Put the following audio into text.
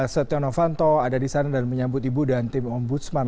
setia novanto ada di sana dan menyambut ibu dan tim ombudsman